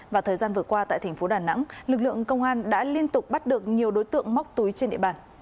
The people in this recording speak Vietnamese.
và thời gian vừa qua tại thành phố đà nẵng lực lượng công an đã liên tục bắt được nhiều đối tượng móc túi trên địa bàn